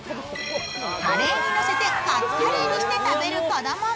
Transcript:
カレーにのせてカツカレーにして食べる子供も。